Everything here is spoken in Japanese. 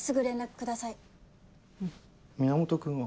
源君は？